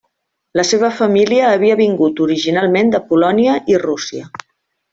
La seva família havia vingut originalment de Polònia i Rússia.